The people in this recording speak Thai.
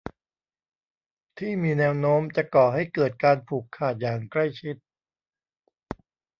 ที่มีแนวโน้มจะก่อให้เกิดการผูกขาดอย่างใกล้ชิด